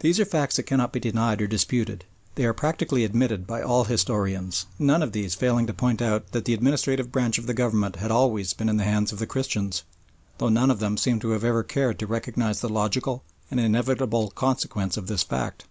These are facts that cannot be denied or disputed. They are practically admitted by all historians, none of these failing to point out that the administrative branch of the government has always been in the hands of the Christians, though none of them seem to have ever cared to recognise the logical and inevitable consequence of this fact.